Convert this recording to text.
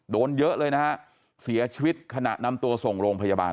เยอะเลยนะฮะเสียชีวิตขณะนำตัวส่งโรงพยาบาล